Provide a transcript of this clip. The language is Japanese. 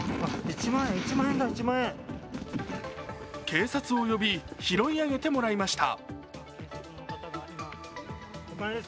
警察を呼び、拾い上げてもらいました。